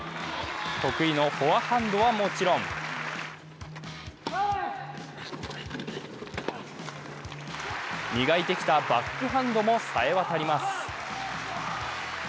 得意のフォアハンドはもちろん磨いてきたバックハンドも冴えわたります。